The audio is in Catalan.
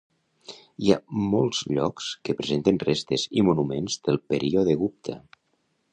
Hi ha molts llocs que presenten restes i monuments del període gupta.